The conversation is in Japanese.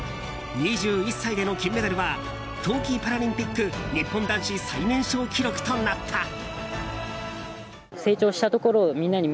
２１歳での金メダルは冬季パラリンピック日本男子最年少記録となった。